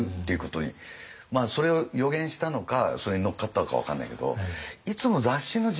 それを予言したのかそれに乗っかったのか分からないけど。